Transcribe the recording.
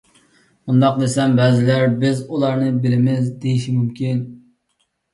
مۇنداق دېسەم، بەزىلەر «بىز ئۇلارنى بىلىمىز» ، دېيىشى مۇمكىن.